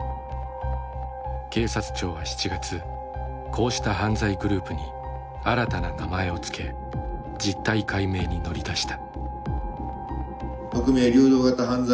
警察庁は７月こうした犯罪グループに新たな名前を付け実態解明に乗り出した。